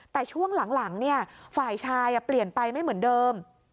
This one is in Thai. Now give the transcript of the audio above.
แต่ช่วงหลังฝ่ายชายเปลี่ยนไปไม่เหมือนเดิม